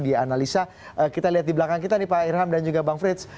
dianalisa kita lihat di belakang kita nih pak irham dan juga bang frits